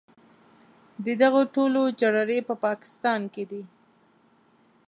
د دغو ټولو جرړې په پاکستان کې دي.